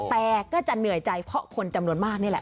แต่ก็จะเหนื่อยใจเพราะคนจำนวนมากนี่แหละ